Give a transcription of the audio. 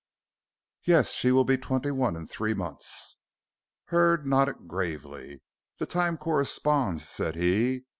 "Yes. She will be twenty one in three months." Hurd nodded gravely. "The time corresponds," said he.